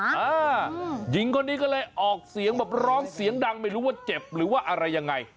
หญิงคนนี้ก็เลยออกเสียงแบบร้องเสียงดังไม่รู้ว่าเจ็บหรือว่าอะไรยังไง